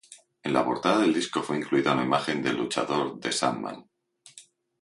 En la portada del disco fue incluida una imagen del luchador The Sandman.